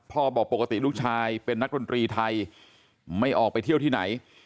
บอกปกติลูกชายเป็นนักดนตรีไทยไม่ออกไปเที่ยวที่ไหน